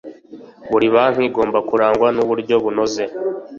Buri banki igomba kurangwa n uburyo bunoze